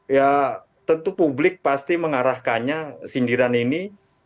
ya tentu publik pasti mengarahkannya sindiran ini